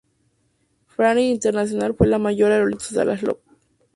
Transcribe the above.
Braniff International fue la mayor aerolínea del Aeropuerto Dallas Love.